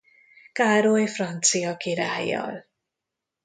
Károly francia királlyal.